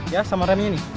ya sama remnya ini